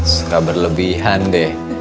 suka berlebihan deh